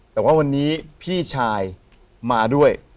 แต่ว่าวันนี้พี่ชายมาด้วย